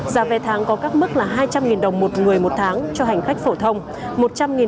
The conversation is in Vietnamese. giá vé tháng có các mức là hai trăm linh đồng một người một tháng cho hành khách phổ thông